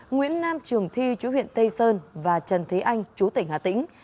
nguyễn nam trường thi chú huyện tây sơn và trần thế anh chú tỉnh hà tĩnh